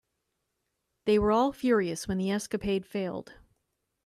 They were all furious when the escapade failed.